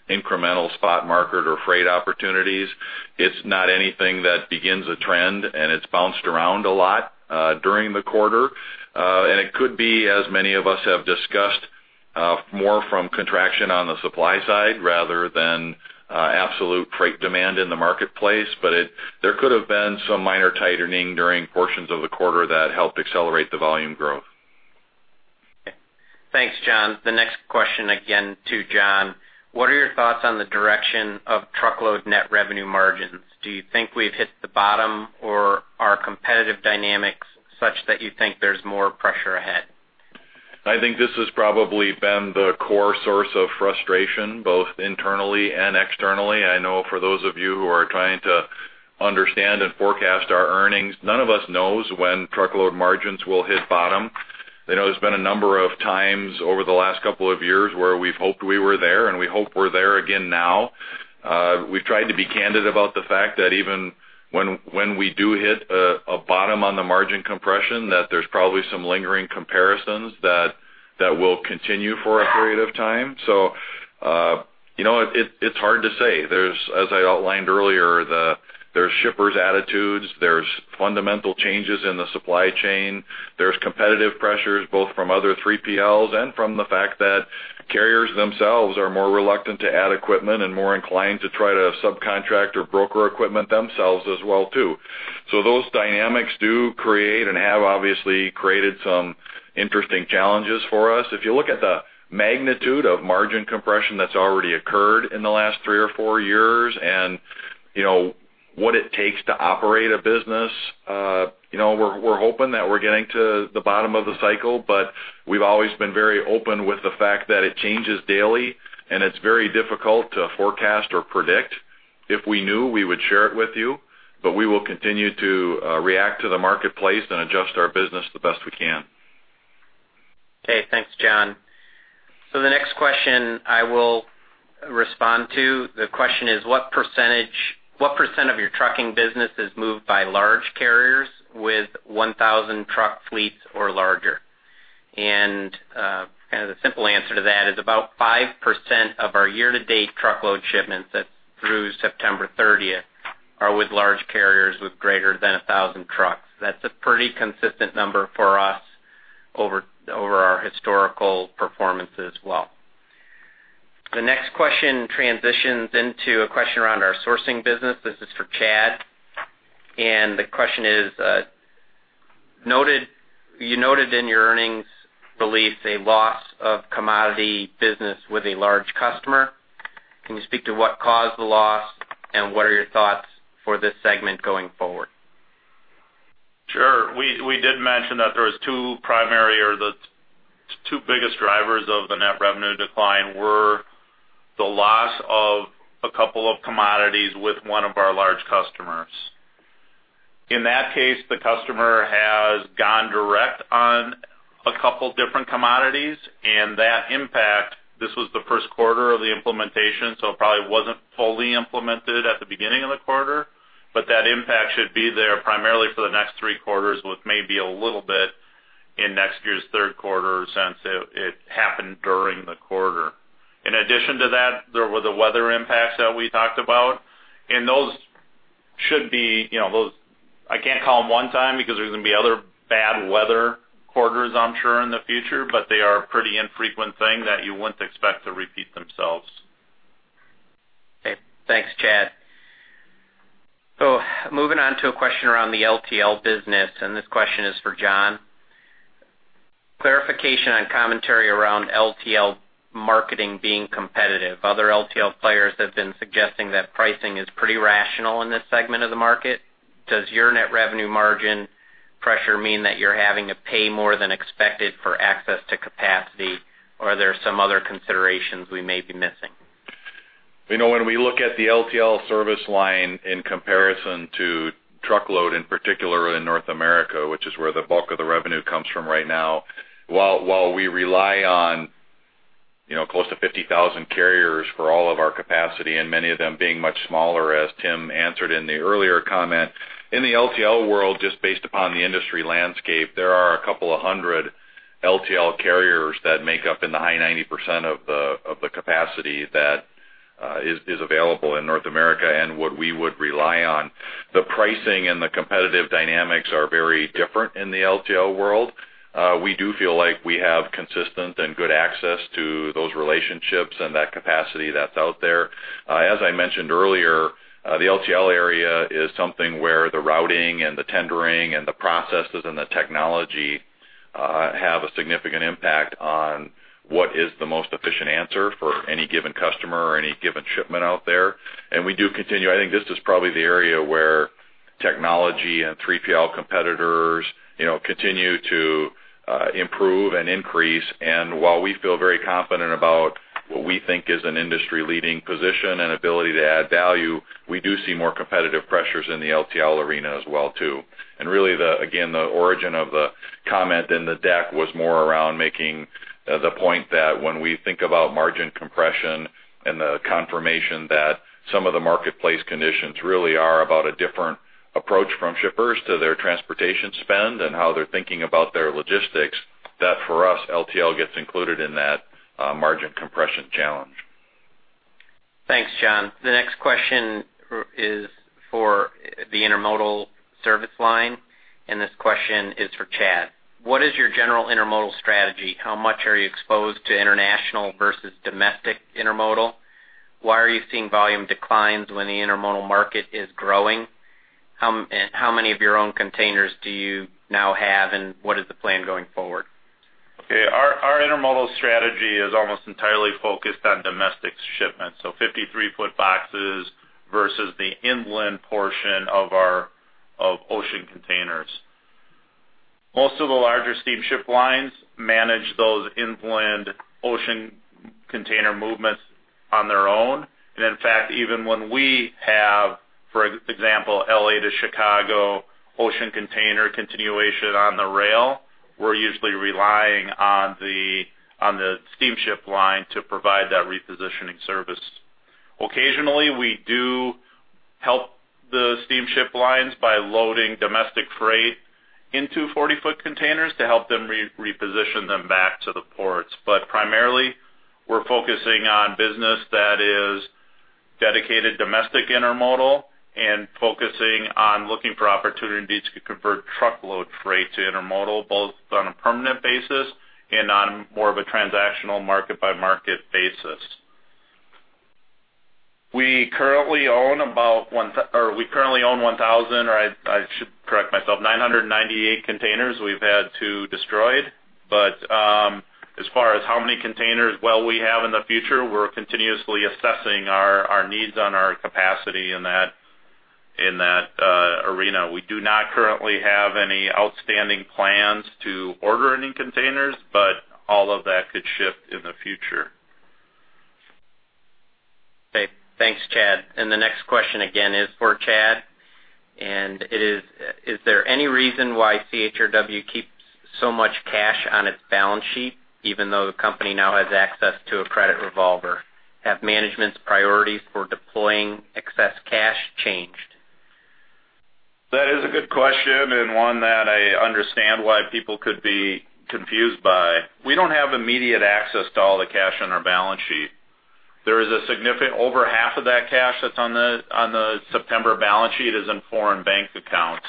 Speaker 3: incremental spot market or freight opportunities. It's not anything that begins a trend, and it's bounced around a lot during the quarter. It could be, as many of us have discussed, more from contraction on the supply side rather than absolute freight demand in the marketplace. There could have been some minor tightening during portions of the quarter that helped accelerate the volume growth.
Speaker 2: Okay. Thanks, John. The next question, again, to John. What are your thoughts on the direction of truckload net revenue margins? Do you think we've hit the bottom, or are competitive dynamics such that you think there's more pressure ahead?
Speaker 3: I think this has probably been the core source of frustration, both internally and externally. I know for those of you who are trying to understand and forecast our earnings, none of us knows when truckload margins will hit bottom. I know there's been a number of times over the last couple of years where we've hoped we were there, and we hope we're there again now. We've tried to be candid about the fact that even when we do hit a bottom on the margin compression, that there's probably some lingering comparisons that will continue for a period of time. It's hard to say. As I outlined earlier, there's shippers' attitudes. There's fundamental changes in the supply chain. There's competitive pressures, both from other 3PLs and from the fact that carriers themselves are more reluctant to add equipment and more inclined to try to subcontract or broker equipment themselves as well, too. Those dynamics do create and have obviously created some interesting challenges for us. If you look at the magnitude of margin compression that's already occurred in the last three or four years and what it takes to operate a business, we're hoping that we're getting to the bottom of the cycle. We've always been very open with the fact that it changes daily, and it's very difficult to forecast or predict. If we knew, we would share it with you, but we will continue to react to the marketplace and adjust our business the best we can.
Speaker 2: Okay. Thanks, John. The next question I will respond to. The question is: what % of your trucking business is moved by large carriers with 1,000 truck fleets or larger? The simple answer to that is about 5% of our year-to-date truckload shipments through September 30th are with large carriers with greater than 1,000 trucks. That's a pretty consistent number for us over our historical performance as well. The next question transitions into a question around our sourcing business. This is for Chad, and the question is: you noted in your earnings release a loss of commodity business with a large customer. Can you speak to what caused the loss, and what are your thoughts for this segment going forward?
Speaker 4: Sure. We did mention that there was two primary or the two biggest drivers of the net revenue decline were the loss of a couple of commodities with one of our large customers. In that case, the customer has gone direct on a couple different commodities, and that impact, this was the first quarter of the implementation, so it probably wasn't fully implemented at the beginning of the quarter. That impact should be there primarily for the next three quarters, with maybe a little bit in next year's third quarter, since it happened during the quarter. In addition to that, there were the weather impacts that we talked about. Those should be, I can't call them one time because there's going to be other bad weather quarters, I'm sure, in the future, but they are a pretty infrequent thing that you wouldn't expect to repeat themselves.
Speaker 2: Okay, thanks, Chad. Moving on to a question around the LTL business, and this question is for John. Clarification on commentary around LTL marketing being competitive. Other LTL players have been suggesting that pricing is pretty rational in this segment of the market. Does your net revenue margin pressure mean that you're having to pay more than expected for access to capacity? Are there some other considerations we may be missing?
Speaker 3: When we look at the LTL service line in comparison to truckload, in particular in North America, which is where the bulk of the revenue comes from right now, while we rely on close to 50,000 carriers for all of our capacity, and many of them being much smaller, as Tim answered in the earlier comment. In the LTL world, just based upon the industry landscape, there are a couple of hundred LTL carriers that make up in the high 90% of the capacity that is available in North America and what we would rely on. The pricing and the competitive dynamics are very different in the LTL world. We do feel like we have consistent and good access to those relationships and that capacity that's out there. As I mentioned earlier, the LTL area is something where the routing and the tendering and the processes and the technology have a significant impact on what is the most efficient answer for any given customer or any given shipment out there. We do continue. I think this is probably the area where technology and 3PL competitors continue to improve and increase. While we feel very confident about what we think is an industry-leading position and ability to add value, we do see more competitive pressures in the LTL arena as well too. Really, again, the origin of the comment in the deck was more around making the point that when we think about margin compression and the confirmation that some of the marketplace conditions really are about a different approach from shippers to their transportation spend and how they're thinking about their logistics. That, for us, LTL gets included in that margin compression challenge.
Speaker 2: Thanks, John. The next question is for the intermodal service line, and this question is for Chad. What is your general intermodal strategy? How much are you exposed to international versus domestic intermodal? Why are you seeing volume declines when the intermodal market is growing? How many of your own containers do you now have, and what is the plan going forward?
Speaker 4: Okay. Our intermodal strategy is almost entirely focused on domestic shipments, so 53-foot boxes versus the inland portion of ocean containers. Most of the larger steamship lines manage those inland ocean container movements on their own. In fact, even when we have, for example, L.A. to Chicago ocean container continuation on the rail, we're usually relying on the steamship line to provide that repositioning service. Occasionally, we do help the steamship lines by loading domestic freight into 40-foot containers to help them reposition them back to the ports. Primarily, we're focusing on business that is dedicated domestic intermodal and focusing on looking for opportunities to convert truckload freight to intermodal, both on a permanent basis and on more of a transactional market-by-market basis. We currently own 1,000, or I should correct myself, 998 containers. We've had two destroyed. As far as how many containers we have in the future, we're continuously assessing our needs on our capacity in that arena. We do not currently have any outstanding plans to order any containers, but all of that could shift in the future.
Speaker 2: Okay. Thanks, Chad. The next question, again, is for Chad. It is there any reason why CHRW keeps so much cash on its balance sheet, even though the company now has access to a credit revolver? Have management's priorities for deploying excess cash changed?
Speaker 4: That is a good question and one that I understand why people could be confused by. We don't have immediate access to all the cash on our balance sheet. Over half of that cash that's on the September balance sheet is in foreign bank accounts.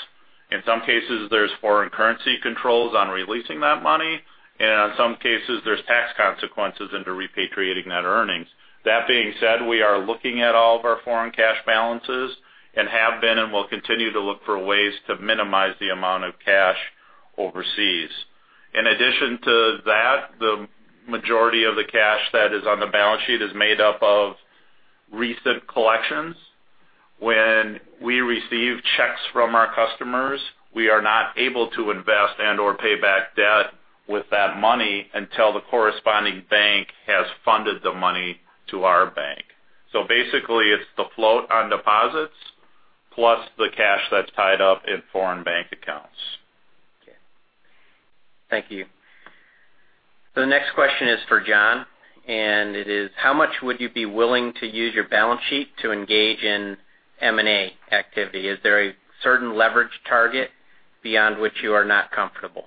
Speaker 4: In some cases, there's foreign currency controls on releasing that money, and in some cases, there's tax consequences into repatriating net earnings. That being said, we are looking at all of our foreign cash balances and have been and will continue to look for ways to minimize the amount of cash overseas. In addition to that, the majority of the cash that is on the balance sheet is made up of recent collections. When we receive checks from our customers, we are not able to invest and/or pay back debt with that money until the corresponding bank has funded the money to our bank. Basically, it's the float on deposits plus the cash that's tied up in foreign bank accounts.
Speaker 2: Okay. Thank you. The next question is for John, and it is, how much would you be willing to use your balance sheet to engage in M&A activity? Is there a certain leverage target beyond which you are not comfortable?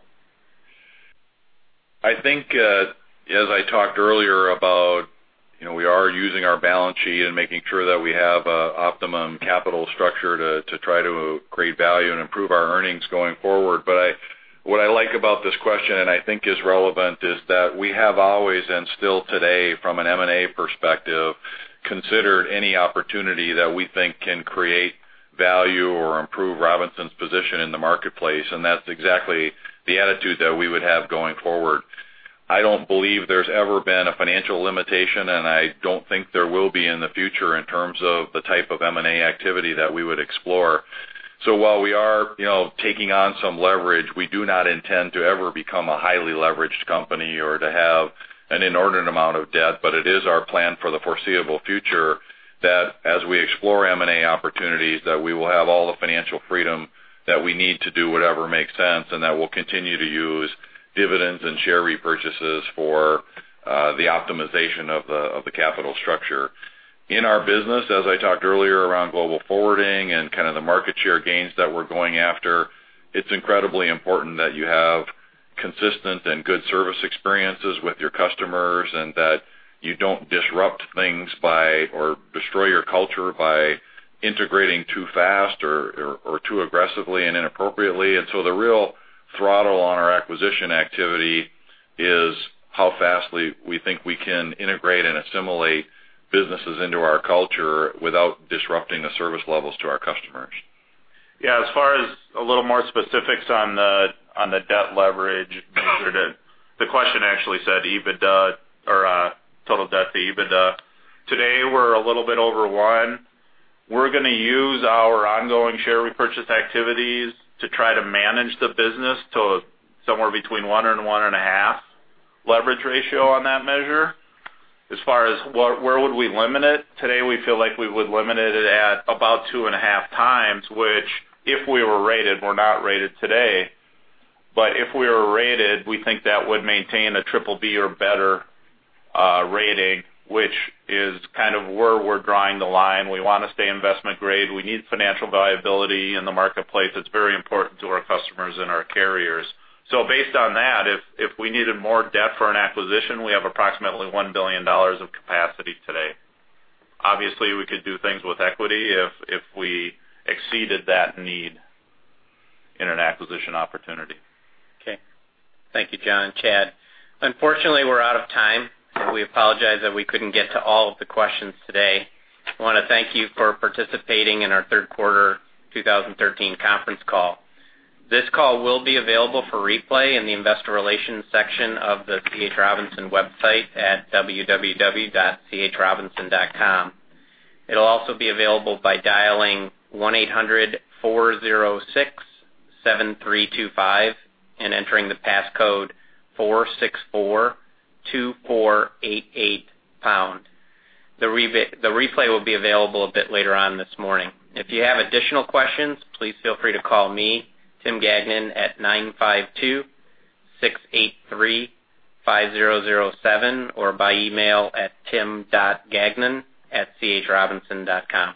Speaker 3: I think, as I talked earlier about we are using our balance sheet and making sure that we try to create value and improve our earnings going forward. What I like about this question, and I think is relevant, is that we have always and still today, from an M&A perspective, considered any opportunity that we think can create value or improve Robinson's position in the marketplace, and that's exactly the attitude that we would have going forward. I don't believe there's ever been a financial limitation, and I don't think there will be in the future in terms of the type of M&A activity that we would explore. While we are taking on some leverage, we do not intend to ever become a highly leveraged company or to have an inordinate amount of debt. It is our plan for the foreseeable future that as we explore M&A opportunities, that we will have all the financial freedom that we need to do whatever makes sense, and that we'll continue to use dividends and share repurchases for the optimization of the capital structure. In our business, as I talked earlier around global forwarding and kind of the market share gains that we're going after, it's incredibly important that you have consistent and good service experiences with your customers and that you don't disrupt things by or destroy your culture by integrating too fast or too aggressively and inappropriately. The real throttle on our acquisition activity is how fast we think we can integrate and assimilate businesses into our culture without disrupting the service levels to our customers.
Speaker 4: Yeah, as far as a little more specifics on the debt leverage measure, the question actually said EBITDA or total debt to EBITDA. Today, we're a little bit over one. We're going to use our ongoing share repurchase activities to try to manage the business to somewhere between one and one and a half leverage ratio on that measure. As far as where would we limit it, today, we feel like we would limit it at about two and a half times, which if we were rated, we're not rated today, but if we were rated, we think that would maintain a BBB or better rating, which is kind of where we're drawing the line. We want to stay investment grade. We need financial viability in the marketplace. It's very important to our customers and our carriers. Based on that, if we needed more debt for an acquisition, we have approximately $1 billion of capacity today. Obviously, we could do things with equity if we exceeded that need in an acquisition opportunity.
Speaker 2: Okay. Thank you, John and Chad. Unfortunately, we're out of time. We apologize that we couldn't get to all of the questions today. I want to thank you for participating in our third quarter 2013 conference call. This call will be available for replay in the investor relations section of the C. H. Robinson website at www.chrobinson.com. It'll also be available by dialing 1-800-406-7325 and entering the passcode 4642488 pound. The replay will be available a bit later on this morning. If you have additional questions, please feel free to call me, Tim Gagnon, at 952-683-5007 or by email at tim.gagnon@chrobinson.com. Thank you.